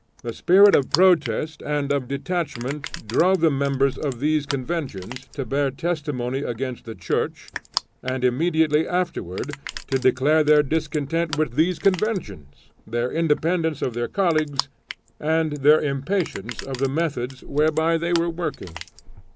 The spirit of protest and of detachment drove the members of these Conventions to bear testimony against the Church, and immediately afterward, to declare their discontent with these Conventions, their independence of their colleagues, and their impatience of the methods whereby they were working.